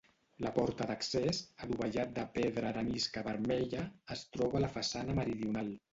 La porta d'accés, adovellat de pedra arenisca vermella, es troba a la façana meridional.